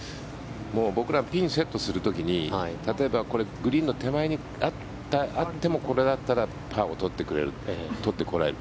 僕ら、ピンをセットする時例えばグリーンの手前にあってもこれだったらパーを取ってこれる。